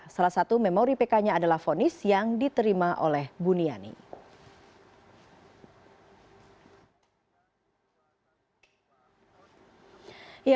salah satu memori pk nya adalah fonis yang diterima oleh buniani